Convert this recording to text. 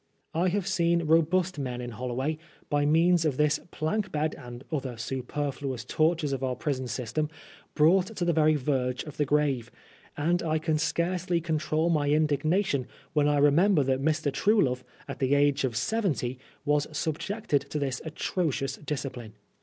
I have seen robust men in HoUoway, by means of this plank bed and other superfluous tortures of our prison system, brought to the very verge of the grave ; and I can scarcely control my indignation when I remember that Mr. Truelove, at the age of seventy, was subjected to this atrocious discipline.